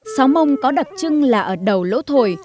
sáu mông có đặc trưng là ở đầu lỗ thổi